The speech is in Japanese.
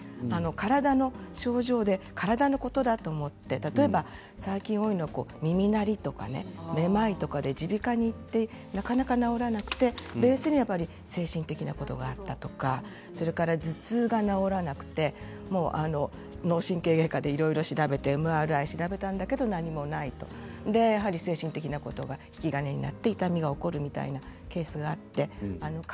体の症状で体のことだと思って例えば、最近多いのは耳鳴りとか目まいで耳鼻科に行ってなかなか治らなくてそのベースには精神的なことがあったとか頭痛が治らなくって脳神経外科でいろいろ調べてでも何もないとやはり精神的なことが引き金になって痛みが起こるというようなケースがありました。